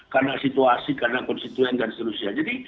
karena situasi karena konstituen karena seluruh segala hal